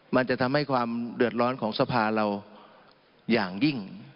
มันจะทำให้ความเดือดร้อนของสภาเราอย่างยิ่ง